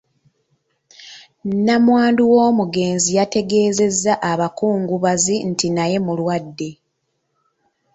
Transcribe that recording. Nnamwandu w’omugenzi yategeezezza abakungubazi nti naye mulwadde.